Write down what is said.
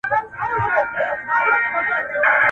سر تر نوکه لا خولې پر بهېدلې.